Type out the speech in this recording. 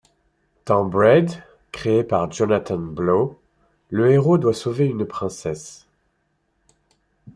Dans Braid, créé par Jonathan Blow, le héros doit sauver une princesse.